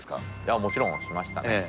もちろんしましたね。